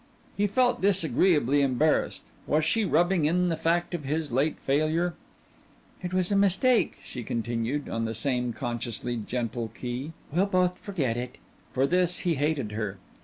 He felt disagreeably embarrassed. Was she rubbing in the fact of his late failure? "It was a mistake," she continued, on the same consciously gentle key. "We'll both forget it." For this he hated her.